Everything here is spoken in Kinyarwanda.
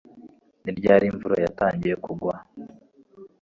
ni ryari imvura yatangiye kugwa